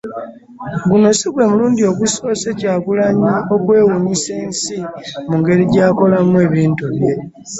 Guno si gwe mulundi ogusoose Kyagulanyi okwewuunyisa ensi mu ngeri gy’akolamu ebintu bye.